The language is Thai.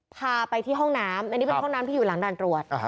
พาไปที่ห้องน้ำอันนี้เป็นห้องน้ำที่อยู่หลังด่านตรวจ